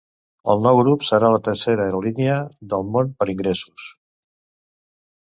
El nou grup serà la tercera aerolínia del món per ingressos.